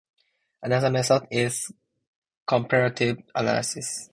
Another method is comparative analysis.